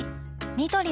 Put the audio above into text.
ニトリ